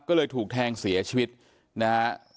ก็เลยถูกแทงเสียชีวิตนะฮะ